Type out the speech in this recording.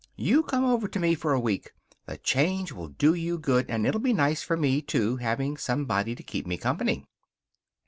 You come over to me for a week. The change will do you good, and it'll be nice for me, too, having somebody to keep me company."